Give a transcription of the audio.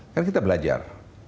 kan kita belajar